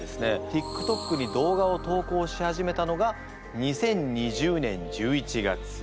ティックトックに動画を投稿し始めたのが２０２０年１１月。